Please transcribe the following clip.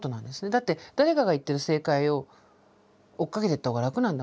だって誰かが言ってる正解を追っかけてった方が楽なんだもん。